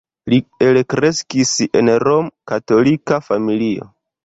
Li elkreskis en rom-katolika familio.